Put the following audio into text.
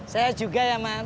saya juga ya man